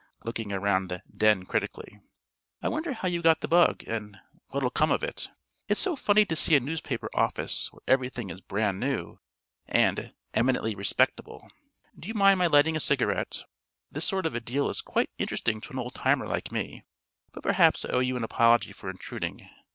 looking around the "den" critically. "I wonder how you got the bug, and what'll come of it. It's so funny to see a newspaper office where everything is brand new, and eminently respectable. Do you mind my lighting a cigarette? This sort of a deal is quite interesting to an old timer like me; but perhaps I owe you an apology for intruding.